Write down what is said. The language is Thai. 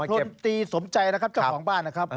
พลตีสมใจนะครับเจ้าของบ้านนะครับ